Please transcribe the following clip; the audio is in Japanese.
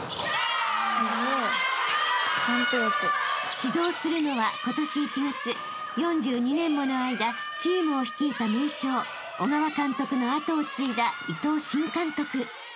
［指導するのは今年１月４２年もの間チームを率いた名将小川監督の後を継いだ伊藤新監督］